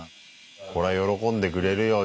これは喜んでくれるよ